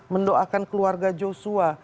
mendoakan keluarga joshua